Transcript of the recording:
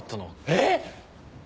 えっ⁉